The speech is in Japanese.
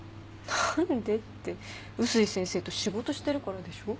何でって碓井先生と仕事してるからでしょ。